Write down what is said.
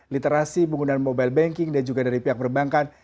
literasi penggunaan mobile banking dan juga dari pihak perbankan